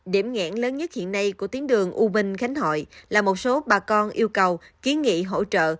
điểm nghẽn lớn nhất hiện nay của tuyến đường u minh khánh hội là một số bà con yêu cầu kiến nghị hỗ trợ